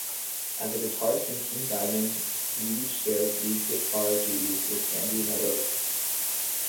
As a guitarist in King Diamond, Wead shares lead guitar duties with Andy LaRocque.